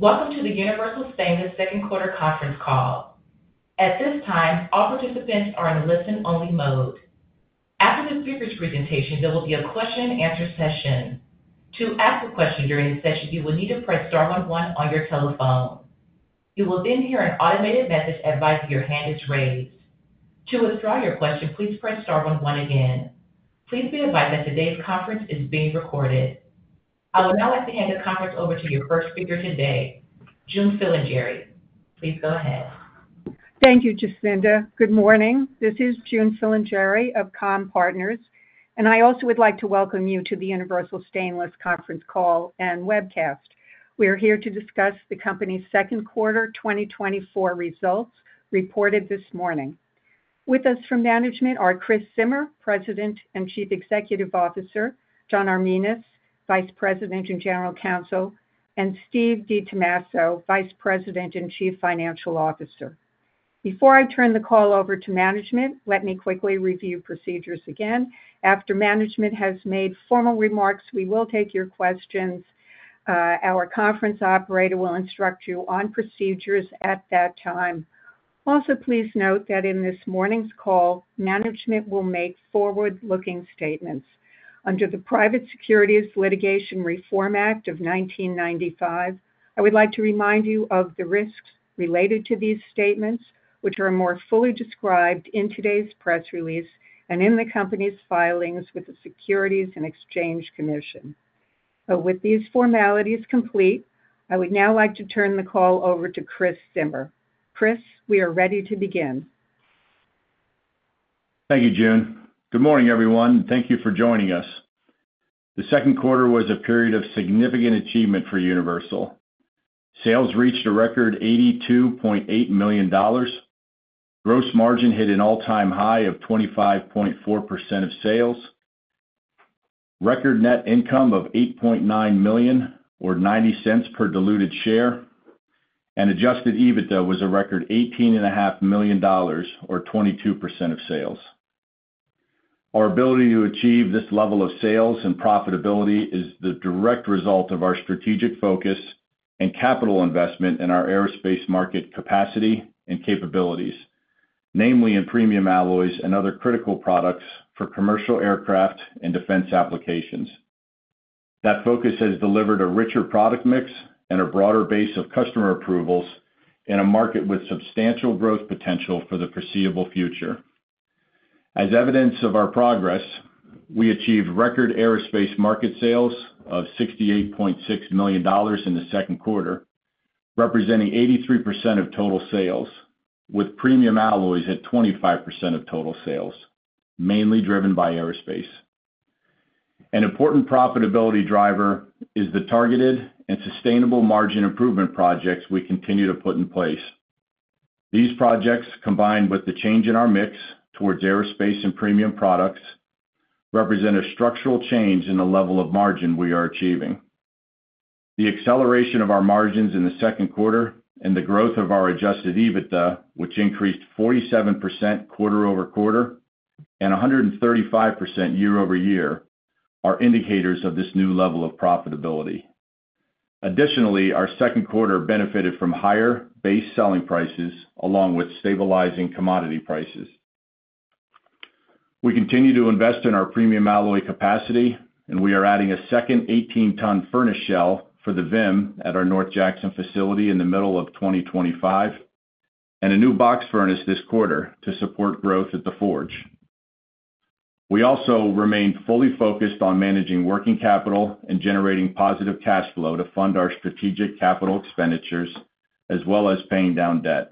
Welcome to the Universal Stainless Q2 conference call. At this time, all participants are in listen-only mode. After the speakers' presentation, there will be a question-and-answer session. To ask a question during the session, you will need to press star one one on your telephone. You will then hear an automated message advising your hand is raised. To withdraw your question, please press star one one again. Please be advised that today's conference is being recorded. I would now like to hand this conference over to your first speaker today, June Filingeri. Please go ahead. Thank you, Jacinda. Good morning, this is June Filingeri of Comm-Partners, and I also would like to welcome you to the Universal Stainless conference call and webcast. We are here to discuss the company's Q2 2024 results reported this morning. With us from management are Chris Zimmer, President and Chief Executive Officer, John Arminas, Vice President and General Counsel, and Steve DiTommaso, Vice President and Chief Financial Officer. Before I turn the call over to management, let me quickly review procedures again. After management has made formal remarks, we will take your questions. Our conference operator will instruct you on procedures at that time. Also, please note that in this morning's call, management will make forward-looking statements. Under the Private Securities Litigation Reform Act of 1995, I would like to remind you of the risks related to these statements, which are more fully described in today's press release and in the company's filings with the Securities and Exchange Commission. With these formalities complete, I would now like to turn the call over to Chris Zimmer. Chris, we are ready to begin. Thank you, June. Good morning, everyone, and thank you for joining us. The Q2 was a period of significant achievement for Universal. Sales reached a record $82.8 million. Gross margin hit an all-time high of 25.4% of sales. Record net income of $8.9 million or $0.90 per diluted share, and Adjusted EBITDA was a record $18.5 million, or 22% of sales. Our ability to achieve this level of sales and profitability is the direct result of our strategic focus and capital investment in our aerospace market capacity and capabilities, namely in Premium Alloys and other critical products for commercial aircraft and defense applications. That focus has delivered a richer product mix and a broader base of customer approvals in a market with substantial growth potential for the foreseeable future. As evidence of our progress, we achieved record aerospace market sales of $68.6 million in the Q2, representing 83% of total sales, with Premium Alloys at 25% of total sales, mainly driven by aerospace. An important profitability driver is the targeted and sustainable margin improvement projects we continue to put in place. These projects, combined with the change in our mix towards aerospace and premium products, represent a structural change in the level of margin we are achieving. The acceleration of our margins in the Q2 and the growth of our Adjusted EBITDA, which increased 47% quarter-over-quarter and 135% year-over-year, are indicators of this new level of profitability. Additionally, our Q2 benefited from higher base selling prices along with stabilizing commodity prices. We continue to invest in our premium alloy capacity, and we are adding a second 18-ton furnace shell for the VIM at our North Jackson facility in the middle of 2025, and a new box furnace this quarter to support growth at the forge. We also remain fully focused on managing working capital and generating positive cash flow to fund our strategic capital expenditures, as well as paying down debt.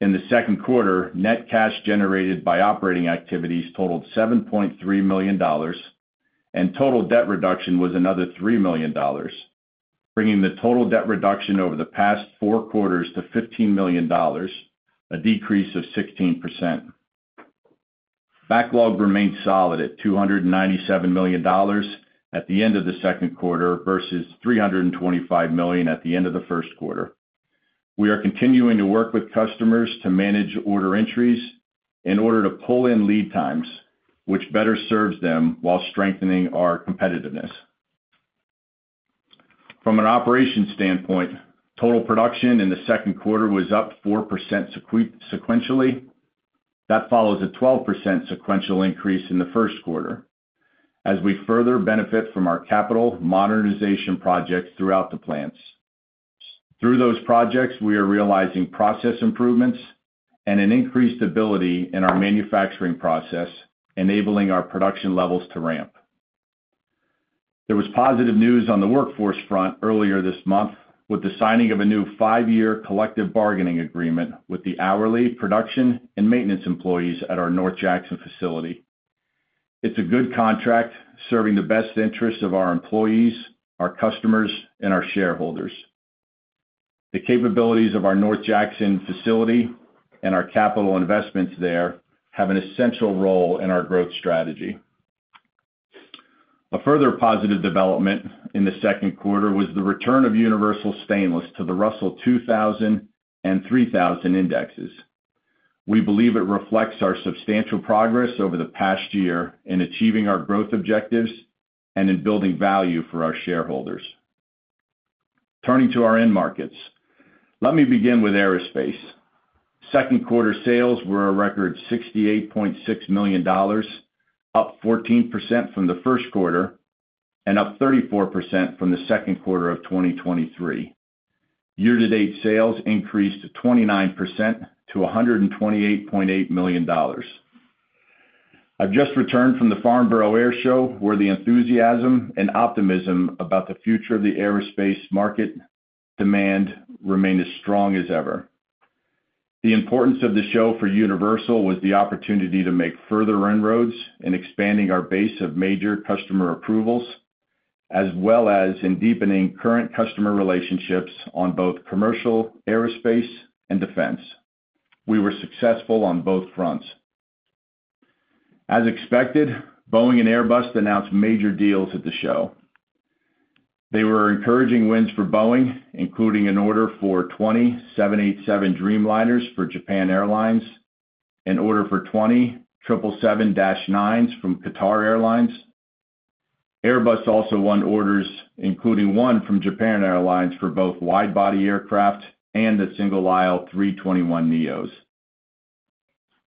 In the Q2, net cash generated by operating activities totaled $7.3 million, and total debt reduction was another $3 million, bringing the total debt reduction over the past four quarters to $15 million, a decrease of 16%. Backlog remained solid at $297 million at the end of the Q2 versus $325 million at the end of the Q1. We are continuing to work with customers to manage order entries in order to pull in lead times, which better serves them while strengthening our competitiveness. From an operations standpoint, total production in the Q2 was up 4% sequentially. That follows a 12% sequential increase in the Q1 as we further benefit from our capital modernization projects throughout the plants. Through those projects, we are realizing process improvements and an increased ability in our manufacturing process, enabling our production levels to ramp. There was positive news on the workforce front earlier this month with the signing of a new 5-year collective bargaining agreement with the hourly, production, and maintenance employees at our North Jackson facility. It's a good contract serving the best interests of our employees, our customers, and our shareholders. The capabilities of our North Jackson facility and our capital investments there have an essential role in our growth strategy. A further positive development in the Q2 was the return of Universal Stainless to the Russell 2000 and 3000 indexes.... We believe it reflects our substantial progress over the past year in achieving our growth objectives and in building value for our shareholders. Turning to our end markets. Let me begin with aerospace. Q2 sales were a record $68.6 million, up 14% from the Q1 and up 34% from the Q2 of 2023. Year-to-date sales increased 29% to $128.8 million. I've just returned from the Farnborough Airshow, where the enthusiasm and optimism about the future of the aerospace market demand remain as strong as ever. The importance of the show for Universal was the opportunity to make further inroads in expanding our base of major customer approvals, as well as in deepening current customer relationships on both commercial aerospace and defense. We were successful on both fronts. As expected, Boeing and Airbus announced major deals at the show. They were encouraging wins for Boeing, including an order for 27 787 Dreamliners for Japan Airlines, an order for twenty 777-9s from Qatar Airways. Airbus also won orders, including one from Japan Airlines, for both wide-body aircraft and a single-aisle A321neo.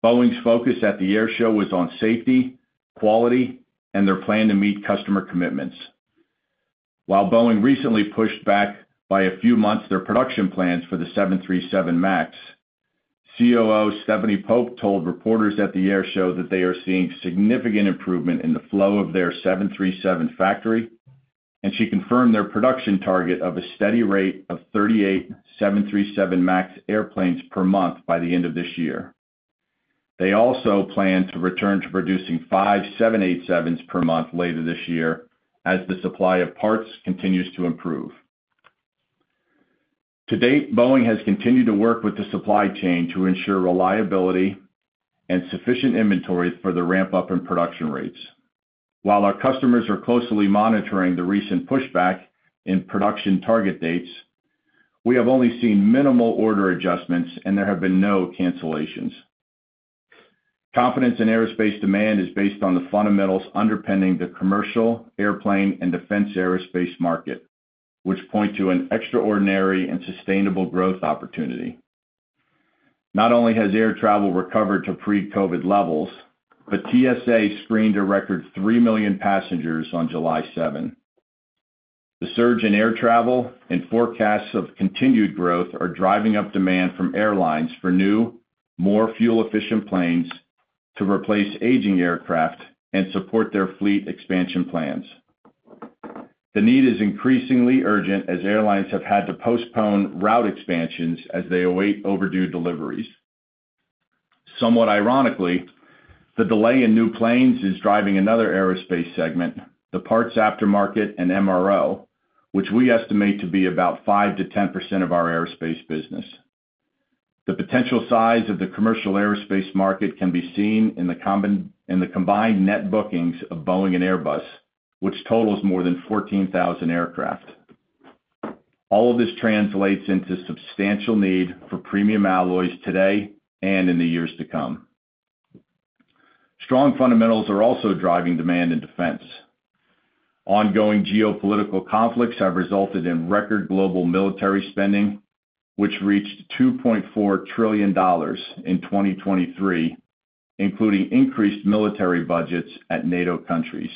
Boeing's focus at the air show was on safety, quality, and their plan to meet customer commitments. While Boeing recently pushed back by a few months their production plans for the 737 MAX, COO Stephanie Pope told reporters at the air show that they are seeing significant improvement in the flow of their 737 factory, and she confirmed their production target of a steady rate of 38 737 MAX airplanes per month by the end of this year. They also plan to return to producing five 787s per month later this year, as the supply of parts continues to improve. To date, Boeing has continued to work with the supply chain to ensure reliability and sufficient inventory for the ramp-up in production rates. While our customers are closely monitoring the recent pushback in production target dates, we have only seen minimal order adjustments, and there have been no cancellations. Confidence in aerospace demand is based on the fundamentals underpinning the commercial, airplane, and defense aerospace market, which point to an extraordinary and sustainable growth opportunity. Not only has air travel recovered to pre-COVID levels, but TSA screened a record 3 million passengers on July 7. The surge in air travel and forecasts of continued growth are driving up demand from airlines for new, more fuel-efficient planes to replace aging aircraft and support their fleet expansion plans. The need is increasingly urgent as airlines have had to postpone route expansions as they await overdue deliveries. Somewhat ironically, the delay in new planes is driving another aerospace segment, the parts aftermarket and MRO, which we estimate to be about 5%-10% of our aerospace business. The potential size of the commercial aerospace market can be seen in the combined net bookings of Boeing and Airbus, which totals more than 14,000 aircraft. All of this translates into substantial need for premium alloys today and in the years to come. Strong fundamentals are also driving demand in defense. Ongoing geopolitical conflicts have resulted in record global military spending, which reached $2.4 trillion in 2023, including increased military budgets at NATO countries.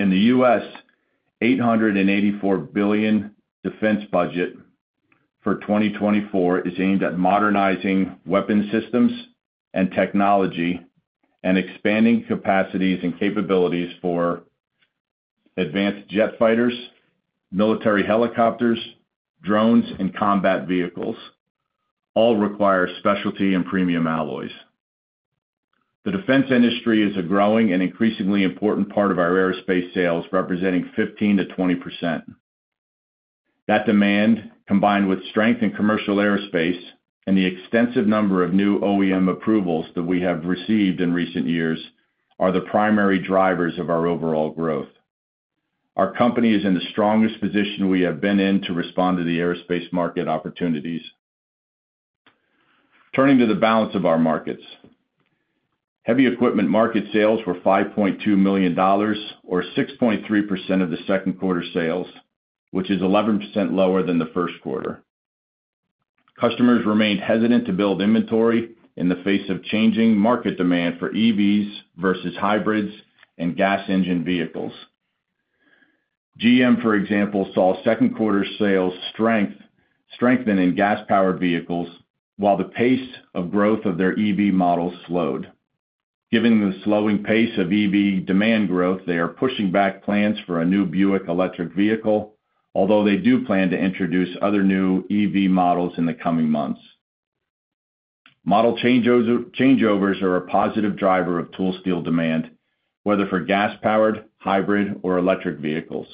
In the U.S., $884 billion defense budget for 2024 is aimed at modernizing weapon systems and technology, and expanding capacities and capabilities for advanced jet fighters, military helicopters, drones, and combat vehicles. All require specialty and premium alloys. The defense industry is a growing and increasingly important part of our aerospace sales, representing 15%-20%. That demand, combined with strength in commercial aerospace and the extensive number of new OEM approvals that we have received in recent years, are the primary drivers of our overall growth. Our company is in the strongest position we have been in to respond to the aerospace market opportunities. Turning to the balance of our markets. Heavy equipment market sales were $5.2 million, or 6.3% of the Q2 sales, which is 11% lower than the Q1. Customers remained hesitant to build inventory in the face of changing market demand for EVs versus hybrids and gas engine vehicles. GM, for example, saw Q2 sales strengthen in gas-powered vehicles, while the pace of growth of their EV models slowed. Given the slowing pace of EV demand growth, they are pushing back plans for a new Buick electric vehicle, although they do plan to introduce other new EV models in the coming months. Model changeovers, changeovers are a positive driver of tool steel demand, whether for gas-powered, hybrid, or electric vehicles.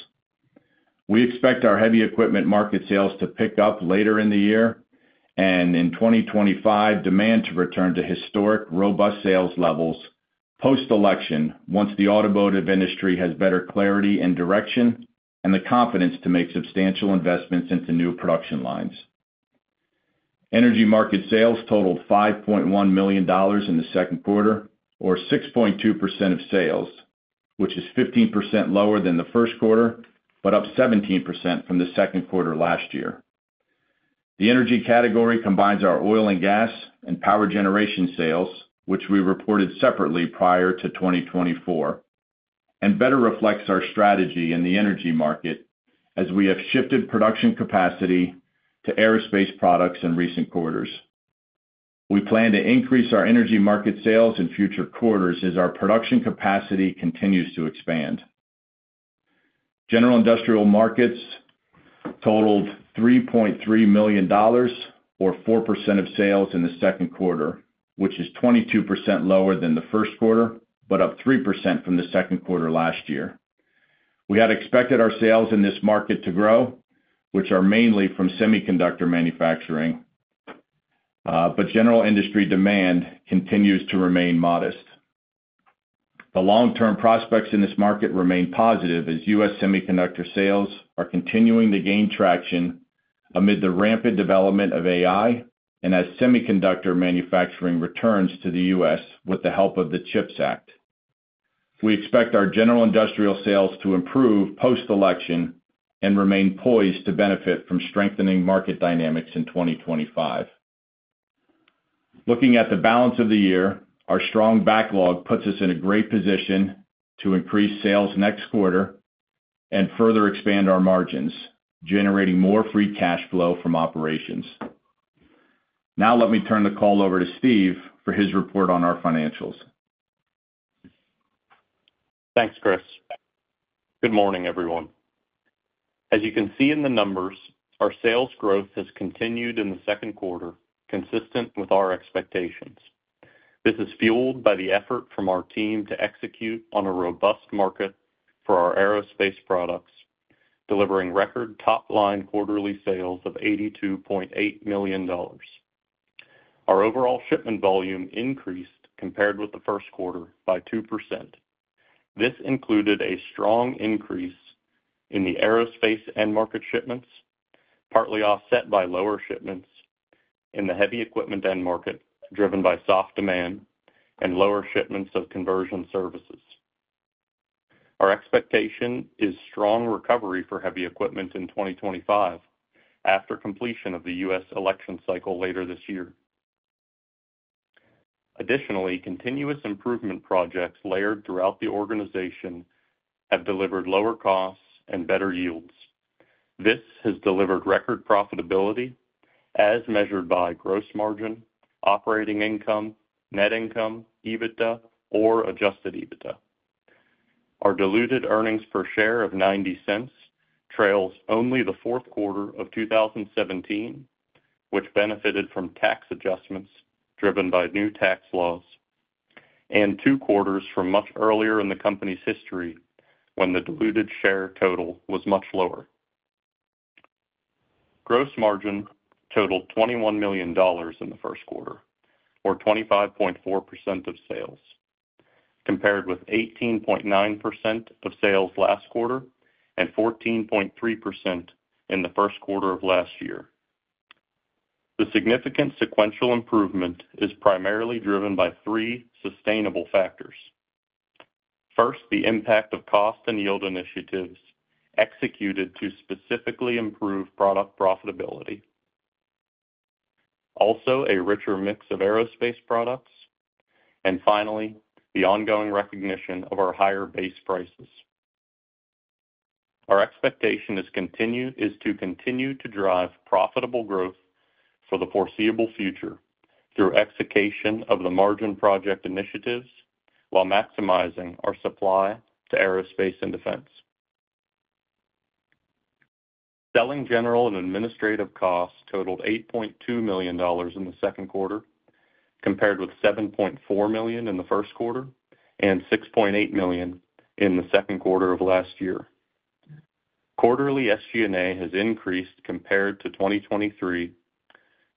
We expect our heavy equipment market sales to pick up later in the year, and in 2025, demand to return to historic, robust sales levels... post-election, once the automotive industry has better clarity and direction and the confidence to make substantial investments into new production lines. Energy market sales totaled $5.1 million in the Q2, or 6.2% of sales, which is 15% lower than the Q1, but up 17% from the Q2 last year. The energy category combines our oil and gas and power generation sales, which we reported separately prior to 2024, and better reflects our strategy in the energy market as we have shifted production capacity to aerospace products in recent quarters. We plan to increase our energy market sales in future quarters as our production capacity continues to expand. General industrial markets totaled $3.3 million, or 4% of sales in the Q2, which is 22% lower than the Q1, but up 3% from the Q2 last year. We had expected our sales in this market to grow, which are mainly from semiconductor manufacturing, but general industry demand continues to remain modest. The long-term prospects in this market remain positive, as U.S. semiconductor sales are continuing to gain traction amid the rampant development of AI and as semiconductor manufacturing returns to the U.S. with the help of the CHIPS Act. We expect our general industrial sales to improve post-election and remain poised to benefit from strengthening market dynamics in 2025. Looking at the balance of the year, our strong backlog puts us in a great position to increase sales next quarter and further expand our margins, generating more free cash flow from operations. Now let me turn the call over to Steve for his report on our financials. Thanks, Chris. Good morning, everyone. As you can see in the numbers, our sales growth has continued in the Q2, consistent with our expectations. This is fueled by the effort from our team to execute on a robust market for our aerospace products, delivering record top-line quarterly sales of $82.8 million. Our overall shipment volume increased compared with the Q1 by 2%. This included a strong increase in the aerospace end market shipments, partly offset by lower shipments in the heavy equipment end market, driven by soft demand and lower shipments of conversion services. Our expectation is strong recovery for heavy equipment in 2025 after completion of the U.S. election cycle later this year. Additionally, continuous improvement projects layered throughout the organization have delivered lower costs and better yields. This has delivered record profitability as measured by gross margin, operating income, net income, EBITDA or adjusted EBITDA. Our diluted earnings per share of $0.90 trails only the Q4 of 2017, which benefited from tax adjustments driven by new tax laws and two quarters from much earlier in the company's history, when the diluted share total was much lower. Gross margin totaled $21 million in the Q1, or 25.4% of sales, compared with 18.9% of sales last quarter and 14.3% in the Q1 of last year. The significant sequential improvement is primarily driven by three sustainable factors. First, the impact of cost and yield initiatives executed to specifically improve product profitability. Also, a richer mix of aerospace products, and finally, the ongoing recognition of our higher base prices. Our expectation is to continue to drive profitable growth for the foreseeable future through execution of the margin project initiatives while maximizing our supply to aerospace and defense. Selling, general, and administrative costs totaled $8.2 million in the Q2, compared with $7.4 million in the Q1 and $6.8 million in the Q2 of last year. Quarterly SG&A has increased compared to 2023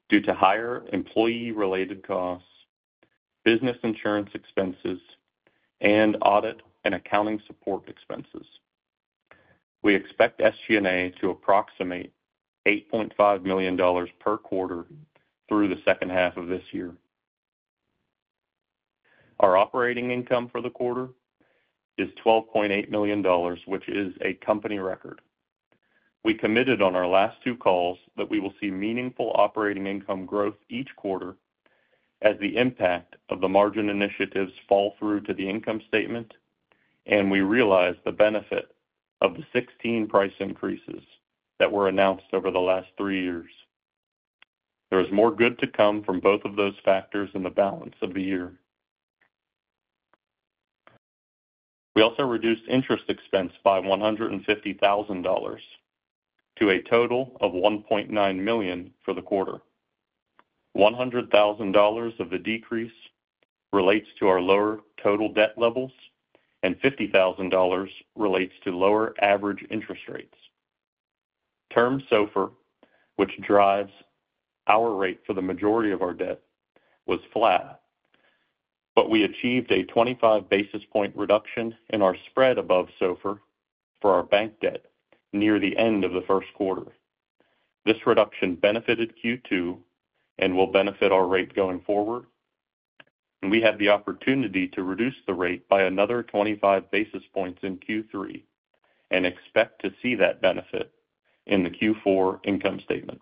due to higher employee-related costs, business insurance expenses, and audit and accounting support expenses. We expect SG&A to approximate $8.5 million per quarter through the second half of this year. Our operating income for the quarter is $12.8 million, which is a company record. We committed on our last two calls that we will see meaningful operating income growth each quarter as the impact of the margin initiatives fall through to the income statement, and we realize the benefit of the 16 price increases that were announced over the last three years. There is more good to come from both of those factors in the balance of the year. We also reduced interest expense by $150,000, to a total of $1.9 million for the quarter. $100,000 of the decrease relates to our lower total debt levels, and $50,000 relates to lower average interest rates. Term SOFR, which drives our rate for the majority of our debt, was flat, but we achieved a 25 basis point reduction in our spread above SOFR for our bank debt near the end of the first quarter. This reduction benefited Q2 and will benefit our rate going forward, and we had the opportunity to reduce the rate by another 25 basis points in Q3 and expect to see that benefit in the Q4 income statement.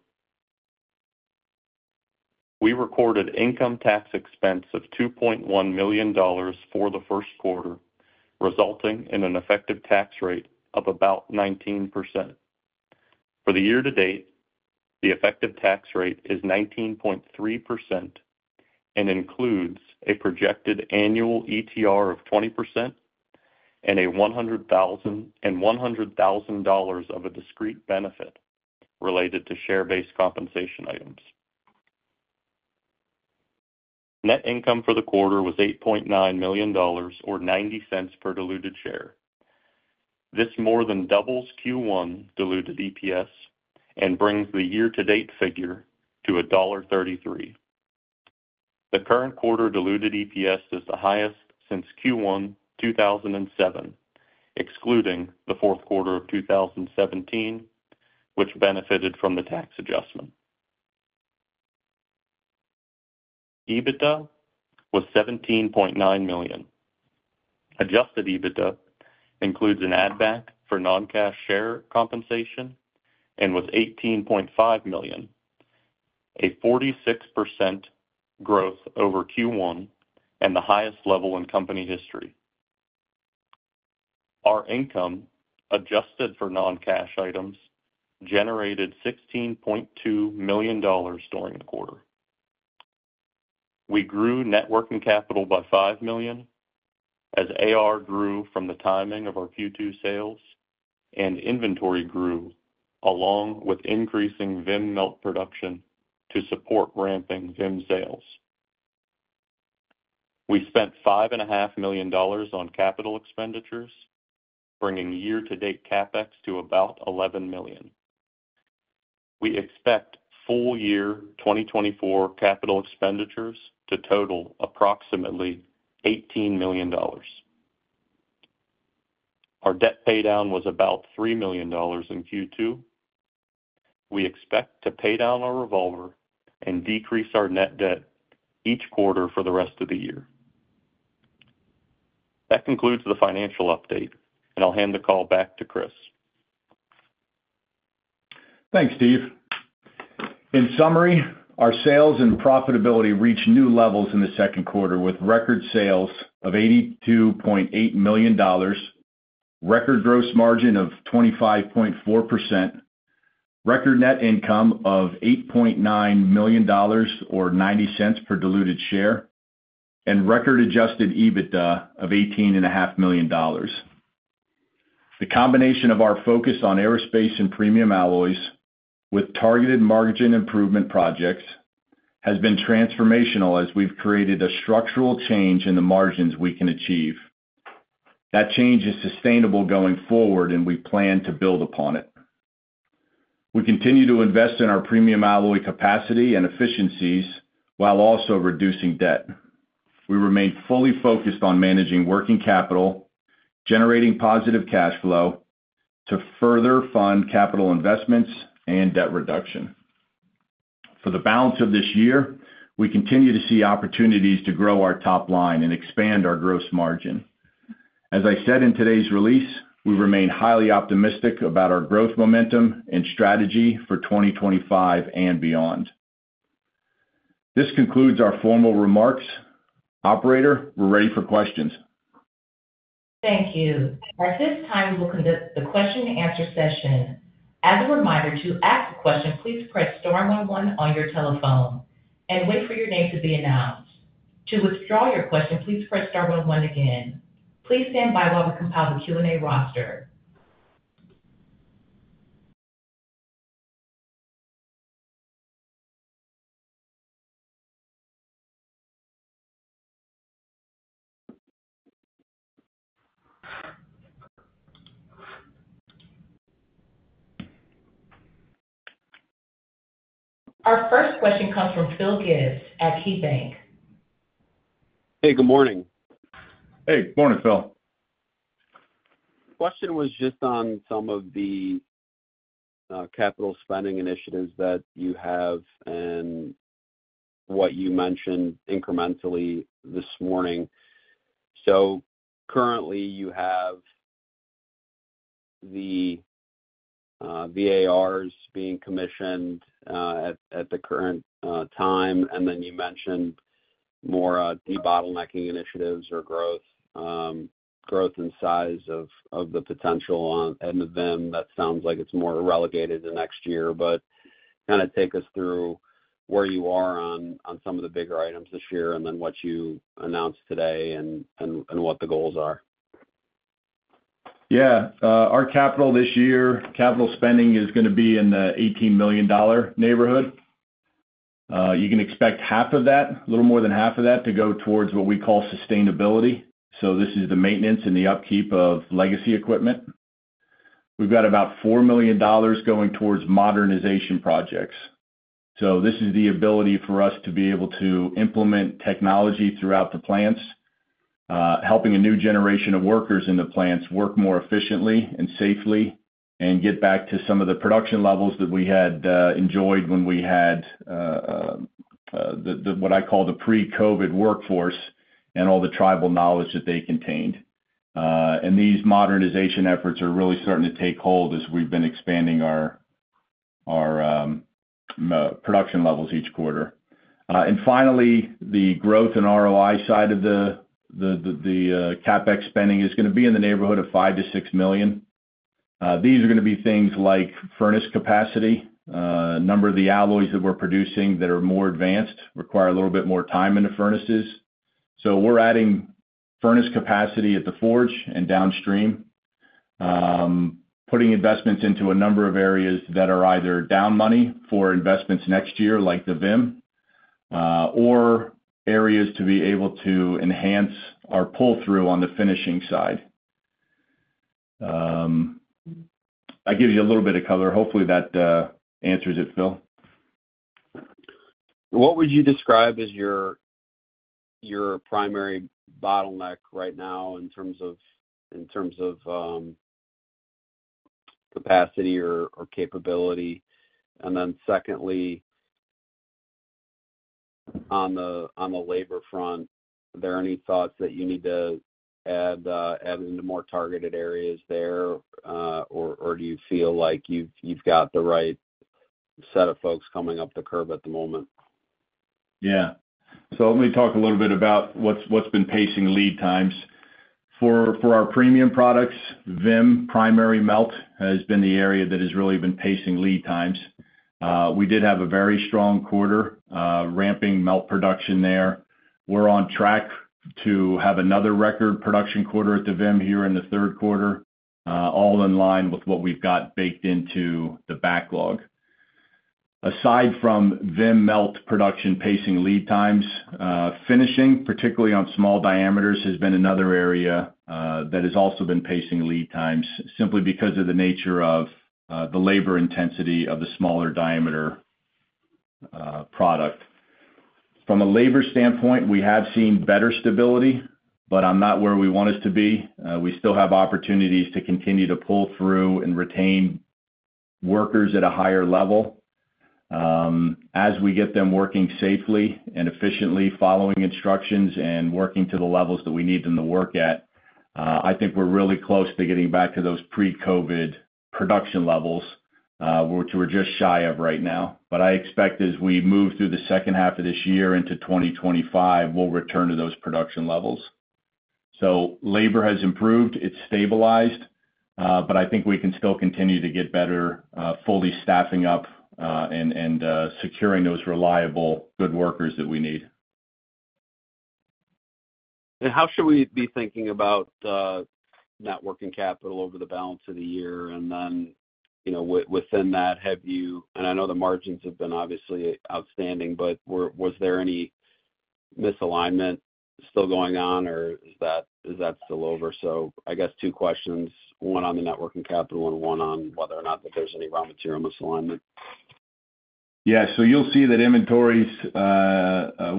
We recorded income tax expense of $2.1 million for the first quarter, resulting in an effective tax rate of about 19%. For the year to date, the effective tax rate is 19.3% and includes a projected annual ETR of 20% and a $100,000- and $100,000 dollars of a discrete benefit related to share-based compensation items. Net income for the quarter was $8.9 million, or $0.90 per diluted share. This more than doubles Q1 diluted EPS and brings the year-to-date figure to $1.33. The current quarter diluted EPS is the highest since Q1 2007, excluding the Q4 of 2017, which benefited from the tax adjustment. EBITDA was $17.9 million. Adjusted EBITDA includes an add-back for non-cash share compensation and was $18.5 million, a 46% growth over Q1 and the highest level in company history. Our income, adjusted for non-cash items, generated $16.2 million during the quarter. We grew net working capital by $5 million, as AR grew from the timing of our Q2 sales, and inventory grew, along with increasing VIM melt production to support ramping VIM sales. We spent $5.5 million on capital expenditures, bringing year-to-date CapEx to about $11 million. We expect full year 2024 capital expenditures to total approximately $18 million. Our debt paydown was about $3 million in Q2. We expect to pay down our revolver and decrease our net debt each quarter for the rest of the year. That concludes the financial update, and I'll hand the call back to Chris. Thanks, Steve. In summary, our sales and profitability reached new levels in the Q2, with record sales of $82.8 million, record gross margin of 25.4%, record net income of $8.9 million, or $0.90 per diluted share, and record Adjusted EBITDA of $18.5 million. The combination of our focus on aerospace and premium alloys with targeted margin improvement projects has been transformational as we've created a structural change in the margins we can achieve. That change is sustainable going forward, and we plan to build upon it. We continue to invest in our premium alloy capacity and efficiencies while also reducing debt. We remain fully focused on managing working capital, generating positive cash flow to further fund capital investments and debt reduction. For the balance of this year, we continue to see opportunities to grow our top line and expand our gross margin. As I said in today's release, we remain highly optimistic about our growth, momentum, and strategy for 2025 and beyond. This concludes our formal remarks. Operator, we're ready for questions. Thank you. At this time, we will conduct the question and answer session. As a reminder, to ask a question, please press star one one on your telephone and wait for your name to be announced. To withdraw your question, please press star one one again. Please stand by while we compile the Q&A roster. Our first question comes from Phil Gibbs at KeyBanc. Hey, good morning. Hey, good morning, Phil. Question was just on some of the capital spending initiatives that you have and what you mentioned incrementally this morning. So currently, you have the VARs being commissioned at the current time, and then you mentioned more debottlenecking initiatives or growth, growth and size of the potential on new VIM. That sounds like it's more relegated to next year, but kind of take us through where you are on some of the bigger items this year and then what you announced today and what the goals are. Yeah. Our capital this year, capital spending is gonna be in the $18 million neighborhood. You can expect half of that, a little more than half of that, to go towards what we call sustainability. So this is the maintenance and the upkeep of legacy equipment. We've got about $4 million going towards modernization projects. So this is the ability for us to be able to implement technology throughout the plants, helping a new generation of workers in the plants work more efficiently and safely, and get back to some of the production levels that we had enjoyed when we had the, what I call the pre-COVID workforce and all the tribal knowledge that they contained. And these modernization efforts are really starting to take hold as we've been expanding our production levels each quarter. And finally, the growth in ROI side of the CapEx spending is gonna be in the neighborhood of $5 million-$6 million. These are gonna be things like furnace capacity. A number of the alloys that we're producing that are more advanced require a little bit more time in the furnaces. So we're adding furnace capacity at the forge and downstream, putting investments into a number of areas that are either down money for investments next year, like the VIM, or areas to be able to enhance our pull-through on the finishing side. I gave you a little bit of color. Hopefully, that answers it, Phil. What would you describe as your primary bottleneck right now in terms of capacity or capability? And then secondly, on the labor front, are there any thoughts that you need to add into more targeted areas there, or do you feel like you've got the right set of folks coming up the curve at the moment? Yeah. So let me talk a little bit about what's, what's been pacing lead times. For, for our premium products, VIM primary melt has been the area that has really been pacing lead times. We did have a very strong quarter, ramping melt production there. We're on track to have another record production quarter at the VIM here in the Q3, all in line with what we've got baked into the backlog. Aside from VIM melt production pacing lead times, finishing, particularly on small diameters, has been another area, that has also been pacing lead times, simply because of the nature of, the labor intensity of the smaller diameter, product. From a labor standpoint, we have seen better stability, but I'm not where we want us to be. We still have opportunities to continue to pull through and retain workers at a higher level. As we get them working safely and efficiently, following instructions and working to the levels that we need them to work at, I think we're really close to getting back to those pre-COVID production levels, which we're just shy of right now. But I expect as we move through the second half of this year into 2025, we'll return to those production levels. So labor has improved, it's stabilized, but I think we can still continue to get better, fully staffing up, and, and, securing those reliable, good workers that we need. And how should we be thinking about net working capital over the balance of the year? And then, you know, within that, and I know the margins have been obviously outstanding, but was there any misalignment still going on, or is that still over? So I guess two questions, one on the net working capital and one on whether or not that there's any raw material misalignment. Yeah. So you'll see that inventories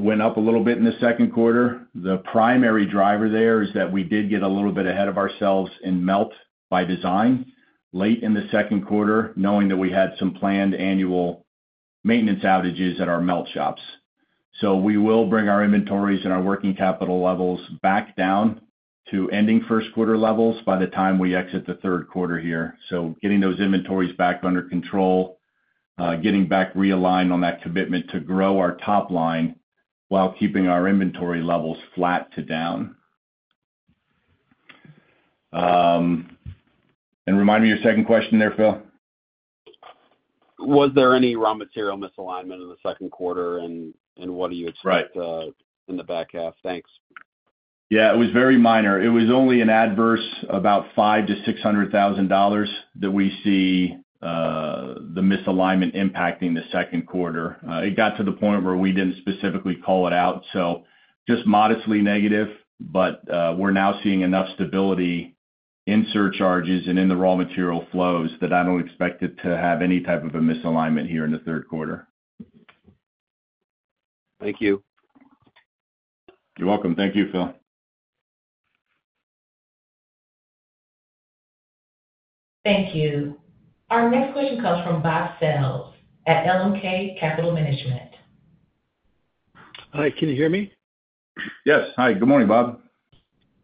went up a little bit in the Q2. The primary driver there is that we did get a little bit ahead of ourselves in melt by design late in the Q2, knowing that we had some planned annual maintenance outages at our melt shops. So we will bring our inventories and our working capital levels back down to ending Q1 levels by the time we exit the Q3 here. So getting those inventories back under control, getting back realigned on that commitment to grow our top line while keeping our inventory levels flat to down. And remind me your second question there, Phil. Was there any raw material misalignment in the Q2, and what do you expect- Right. in the back half? Thanks. Yeah, it was very minor. It was only an adverse, about $500,000-$600,000 that we see, the misalignment impacting the Q2. It got to the point where we didn't specifically call it out, so just modestly negative, but, we're now seeing enough stability in surcharges and in the raw material flows that I don't expect it to have any type of a misalignment here in the Q3 Thank you. You're welcome. Thank you, Phil. Thank you. Our next question comes from Bob Sells at LMK Capital Management. Hi, can you hear me? Yes. Hi, good morning, Bob.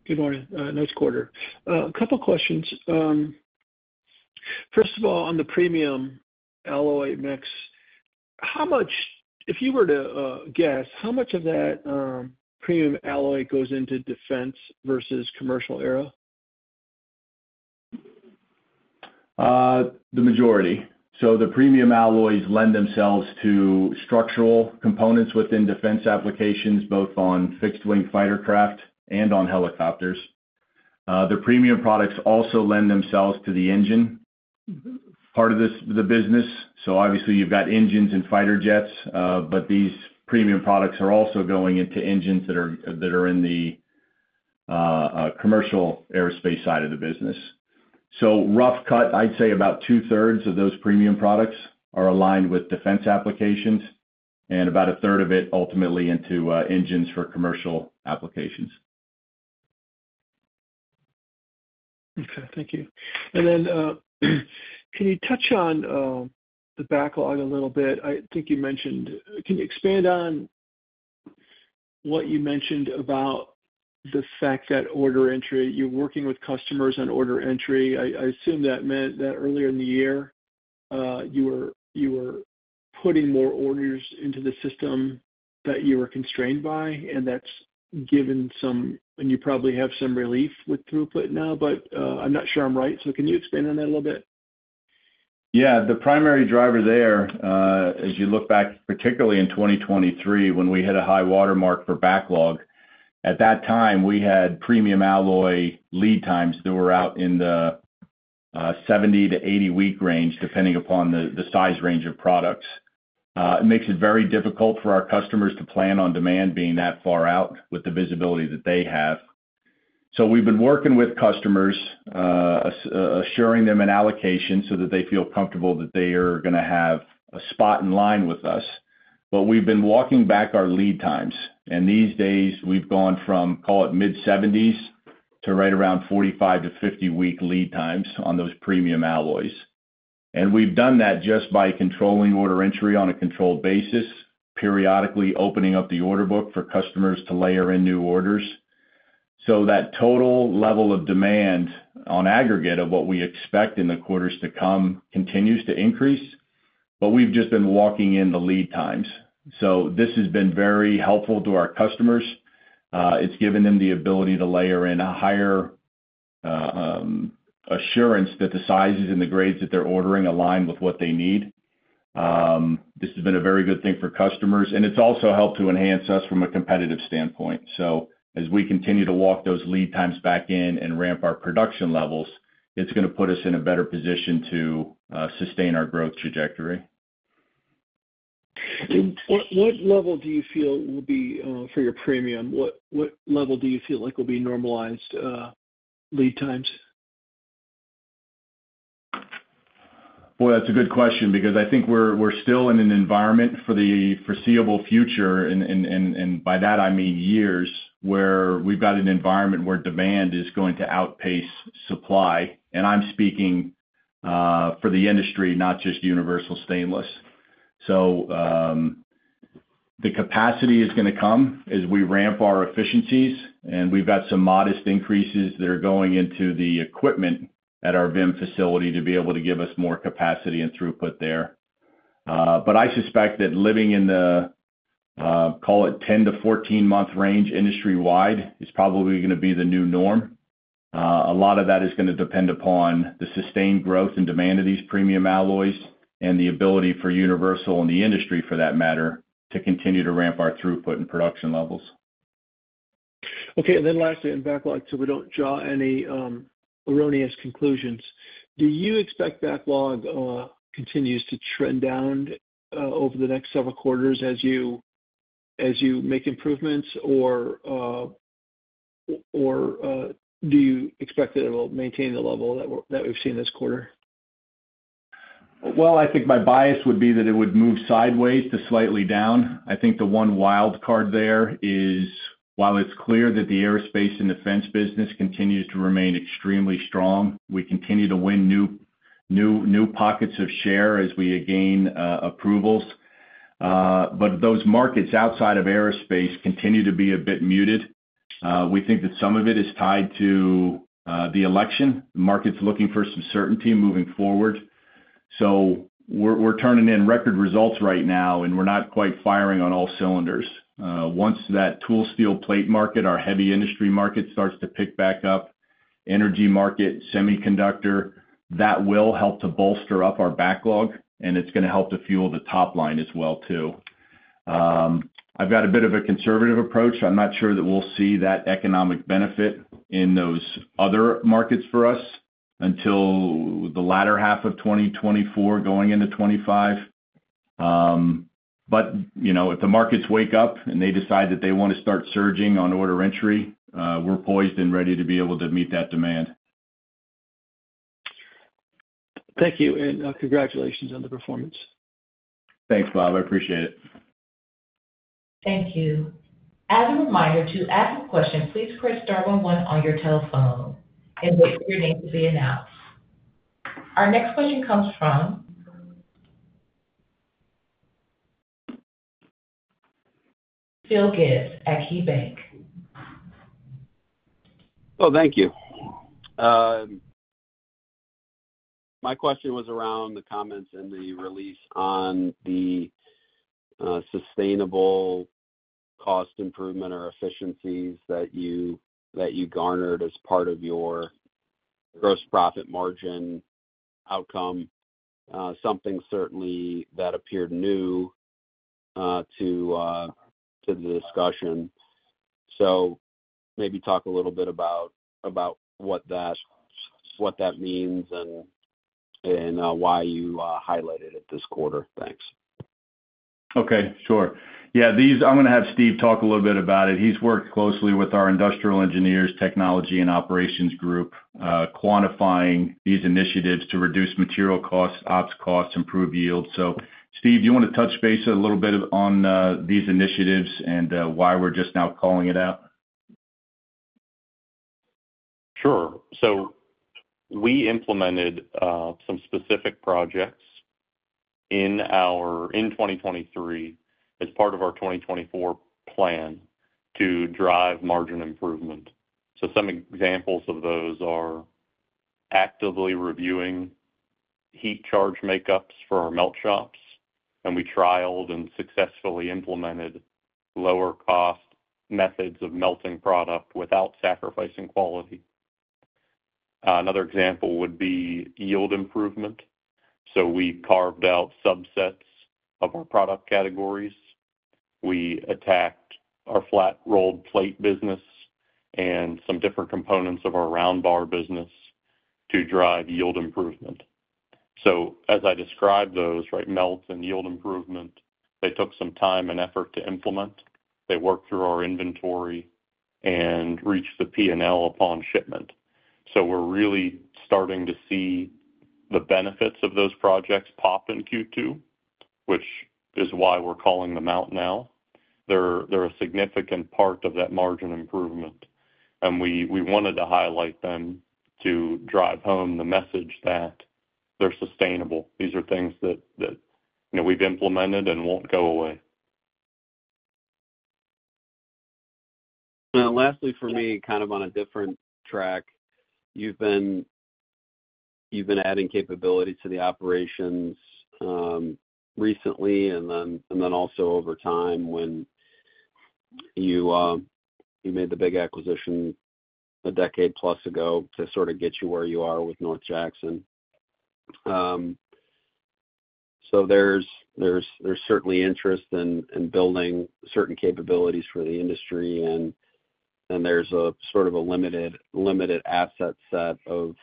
Good morning. Nice quarter. A couple questions. First of all, on the premium alloy mix, how much—if you were to guess, how much of that premium alloy goes into defense versus commercial aero? The majority. So the premium alloys lend themselves to structural components within defense applications, both on fixed-wing fighter craft and on helicopters. The premium products also lend themselves to the engine part of this, the business. So obviously, you've got engines and fighter jets, but these premium products are also going into engines that are, that are in the, commercial aerospace side of the business. So rough cut, I'd say about two-thirds of those premium products are aligned with defense applications and about a third of it ultimately into, engines for commercial applications. Okay, thank you. And then, can you touch on the backlog a little bit? I think you mentioned. Can you expand on what you mentioned about the fact that order entry, you're working with customers on order entry. I assume that meant that earlier in the year, you were putting more orders into the system that you were constrained by, and that's given some, and you probably have some relief with throughput now, but I'm not sure I'm right. So can you expand on that a little bit? Yeah, the primary driver there, as you look back, particularly in 2023, when we hit a high watermark for backlog. At that time, we had premium alloy lead times that were out in the 70-80-week range, depending upon the size range of products. It makes it very difficult for our customers to plan on demand being that far out with the visibility that they have. So we've been working with customers, as assuring them an allocation so that they feel comfortable that they are gonna have a spot in line with us. But we've been walking back our lead times, and these days we've gone from, call it, mid-70s to right around 45-50-week lead times on those premium alloys. And we've done that just by controlling order entry on a controlled basis, periodically opening up the order book for customers to layer in new orders. So that total level of demand on aggregate of what we expect in the quarters to come continues to increase, but we've just been walking in the lead times. So this has been very helpful to our customers. It's given them the ability to layer in a higher assurance that the sizes and the grades that they're ordering align with what they need. This has been a very good thing for customers, and it's also helped to enhance us from a competitive standpoint. So as we continue to walk those lead times back in and ramp our production levels, it's gonna put us in a better position to sustain our growth trajectory. What, what level do you feel will be for your premium? What, what level do you feel like will be normalized lead times? Boy, that's a good question because I think we're still in an environment for the foreseeable future, and by that I mean years, where we've got an environment where demand is going to outpace supply, and I'm speaking for the industry, not just Universal Stainless. So, the capacity is gonna come as we ramp our efficiencies, and we've got some modest increases that are going into the equipment at our VIM facility to be able to give us more capacity and throughput there. But I suspect that living in the call it 10- to 14-month range industry-wide is probably gonna be the new norm. A lot of that is gonna depend upon the sustained growth and demand of these Premium Alloys and the ability for Universal and the industry, for that matter, to continue to ramp our throughput and production levels. Okay, and then lastly, on backlog, so we don't draw any erroneous conclusions. Do you expect backlog continues to trend down over the next several quarters as you make improvements? Or do you expect that it will maintain the level that we've seen this quarter? Well, I think my bias would be that it would move sideways to slightly down. I think the one wild card there is, while it's clear that the aerospace and defense business continues to remain extremely strong, we continue to win new, new, new pockets of share as we gain approvals. But those markets outside of aerospace continue to be a bit muted. We think that some of it is tied to the election. The market's looking for some certainty moving forward. So we're turning in record results right now, and we're not quite firing on all cylinders. Once that tool steel plate market, our heavy industry market, starts to pick back up, energy market, semiconductor, that will help to bolster up our backlog, and it's gonna help to fuel the top line as well, too. I've got a bit of a conservative approach. I'm not sure that we'll see that economic benefit in those other markets for us until the latter half of 2024, going into 2025. But, you know, if the markets wake up and they decide that they want to start surging on order entry, we're poised and ready to be able to meet that demand. Thank you, and congratulations on the performance. Thanks, Bob. I appreciate it. Thank you. As a reminder, to ask a question, please press star one one on your telephone and wait for your name to be announced. Our next question comes from Phil Gibbs at KeyBanc. Well, thank you. My question was around the comments in the release on the sustainable cost improvement or efficiencies that you garnered as part of your gross profit margin outcome, something certainly that appeared new to the discussion. So maybe talk a little bit about what that means and why you highlighted it this quarter. Thanks. Okay, sure. Yeah, these. I'm gonna have Steve talk a little bit about it. He's worked closely with our industrial engineers, technology, and operations group, quantifying these initiatives to reduce material costs, ops costs, improve yield. So Steve, do you want to touch base a little bit on these initiatives and why we're just now calling it out? Sure. So we implemented some specific projects in our in 2023 as part of our 2024 plan to drive margin improvement. So some examples of those are actively reviewing heat charge makeups for our melt shops, and we trialed and successfully implemented lower cost methods of melting product without sacrificing quality. Another example would be yield improvement. So we carved out subsets of our product categories. We attacked our flat rolled plate business and some different components of our round bar business to drive yield improvement. So as I described those, right, melt and yield improvement, they took some time and effort to implement. They worked through our inventory and reached the P&L upon shipment. So we're really starting to see the benefits of those projects pop in Q2, which is why we're calling them out now. They're a significant part of that margin improvement, and we wanted to highlight them to drive home the message that they're sustainable. These are things that you know we've implemented and won't go away. And lastly, for me, kind of on a different track. You've been adding capability to the operations recently, and then also over time when you made the big acquisition a decade plus ago to sort of get you where you are with North Jackson. So there's certainly interest in building certain capabilities for the industry, and there's a sort of a limited asset set of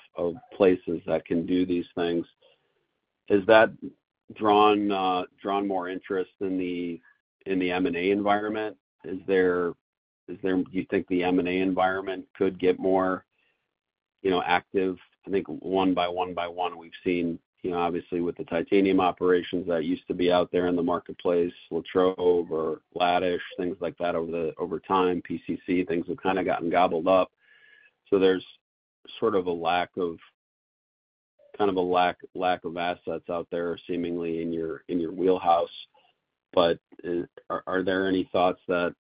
places that can do these things. Has that drawn more interest in the M&A environment? Is there—do you think the M&A environment could get more, you know, active? I think one by one, we've seen, you know, obviously with the titanium operations that used to be out there in the marketplace, Latrobe or Ladish, things like that, over time, PCC, things have kind of gotten gobbled up. So there's sort of a lack of assets out there, seemingly in your wheelhouse. But, are there any thoughts that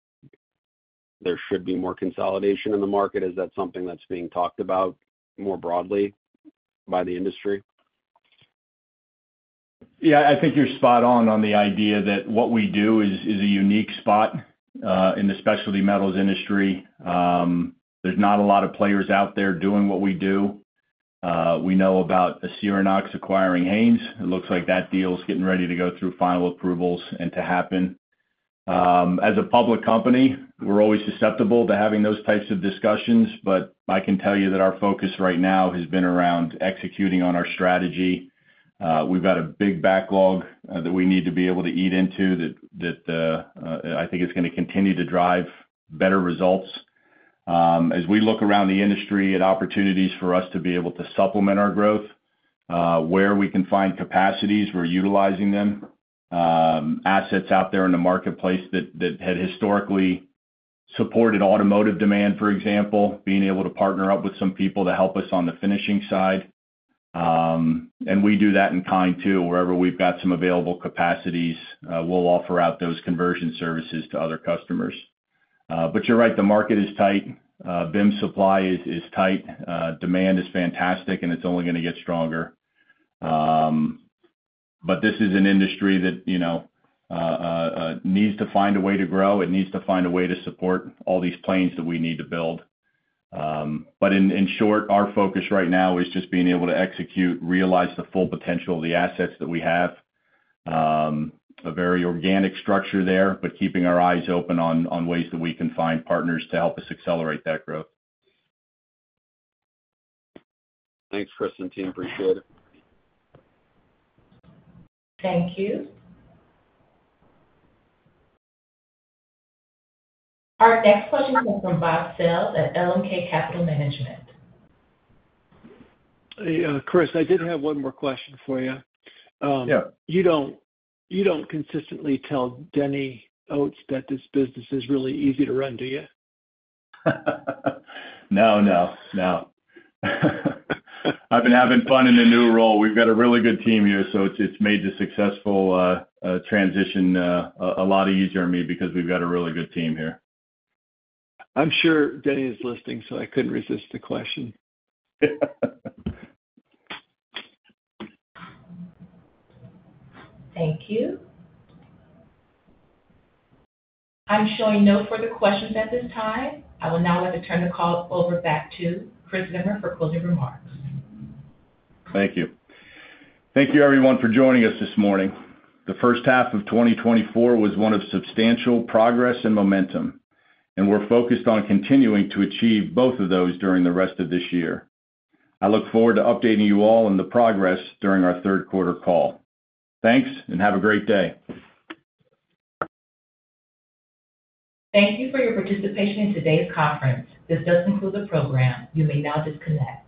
there should be more consolidation in the market? Is that something that's being talked about more broadly by the industry? Yeah, I think you're spot on, on the idea that what we do is a unique spot in the specialty metals industry. There's not a lot of players out there doing what we do. We know about Acerinox acquiring Haynes. It looks like that deal is getting ready to go through final approvals and to happen. As a public company, we're always susceptible to having those types of discussions, but I can tell you that our focus right now has been around executing on our strategy. We've got a big backlog that we need to be able to eat into that I think is gonna continue to drive better results. As we look around the industry at opportunities for us to be able to supplement our growth, where we can find capacities, we're utilizing them. Assets out there in the marketplace that had historically supported automotive demand, for example, being able to partner up with some people to help us on the finishing side. And we do that in kind, too. Wherever we've got some available capacities, we'll offer out those conversion services to other customers. But you're right, the market is tight. VIM supply is tight, demand is fantastic, and it's only gonna get stronger. But this is an industry that, you know, needs to find a way to grow. It needs to find a way to support all these planes that we need to build. But in short, our focus right now is just being able to execute, realize the full potential of the assets that we have. A very organic structure there, but keeping our eyes open on ways that we can find partners to help us accelerate that growth. Thanks, Chris and team. Appreciate it. Thank you. Our next question is from Bob Sells at LMK Capital Management. Chris, I did have one more question for you. Yeah. You don't, you don't consistently tell Denny Oates that this business is really easy to run, do you? No, no, no. I've been having fun in the new role. We've got a really good team here, so it's made the successful transition a lot easier on me because we've got a really good team here. I'm sure Denny is listening, so I couldn't resist the question. Thank you. I'm showing no further questions at this time. I would now like to turn the call over back to Chris Zimmer for closing remarks. Thank you. Thank you everyone for joining us this morning. The first half of 2024 was one of substantial progress and momentum, and we're focused on continuing to achieve both of those during the rest of this year. I look forward to updating you all on the progress during our Q3 call. Thanks, and have a great day. Thank you for your participation in today's conference. This does conclude the program. You may now disconnect.